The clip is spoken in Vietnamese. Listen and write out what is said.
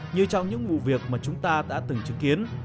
như trong những vụ việc mà chúng ta đã từng chứng kiến